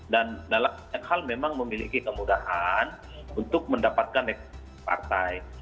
dan dalam banyak hal memang memiliki kemudahan untuk mendapatkan partai